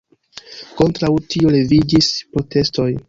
Kontraŭ tio leviĝis protestoj.